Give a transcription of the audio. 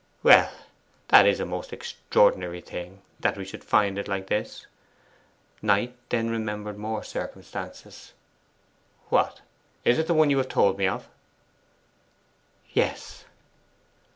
'Well, that is a most extraordinary thing, that we should find it like this!' Knight then remembered more circumstances; 'What, is it the one you have told me of?' 'Yes.